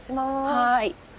はい。